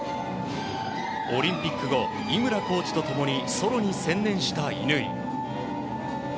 オリンピック後井村コーチと共にソロに専念した乾。